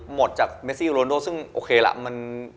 หมดจากเมซี่โรนโดซึ่งโอเคล่ะมัน